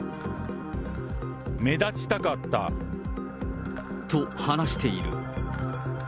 目立ちたかった。と話している。